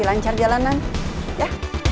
ayo kita cari jalanan ya